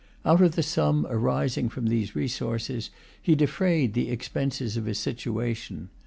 Out of the sum arising from these resources, he defrayed the expenses of his situation.